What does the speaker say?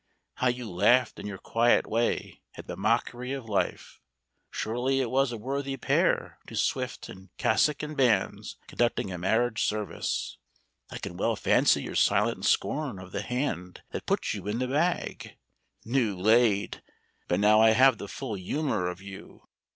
How you laughed in your quiet way at the mockery of life. Surely it was a worthy pair to Swift in cassock and bands conducting a marriage service. I can well fancy your silent scorn of the hand that put you in the bag. New laid! But now I have the full humour of you.